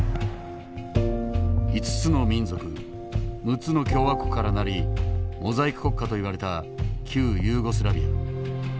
５つの民族６つの共和国から成りモザイク国家といわれた旧ユーゴスラビア。